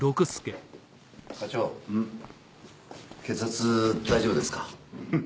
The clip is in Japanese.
血圧大丈夫ですか？